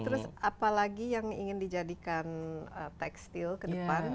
terus apalagi yang ingin dijadikan tekstil ke depan